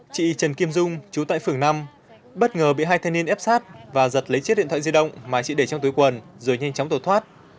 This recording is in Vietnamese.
chị trần kim dung chú tại phường năm bất ngờ bị hai thanh niên ép sát và giật lấy chiếc điện thoại di động mà chị để trong túi quần rồi nhanh chóng tổ thoát